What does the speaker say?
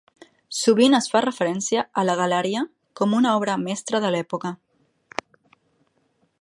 Sovint es fa referència a "La galeria" com una obra mestra de l'època.